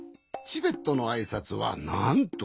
チベットのあいさつはなんと。